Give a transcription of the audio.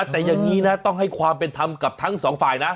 แต่อย่างนี้นะต้องให้ความเป็นธรรมกับทั้งสองฝ่ายนะ